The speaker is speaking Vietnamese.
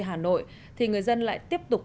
hà nội thì người dân lại tiếp tục